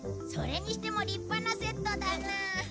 それにしても立派なセットだな。